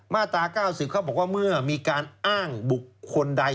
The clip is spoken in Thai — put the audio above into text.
มาตรา๙๐เขาบอกว่าเมื่อมีการอ้างบุคคลใด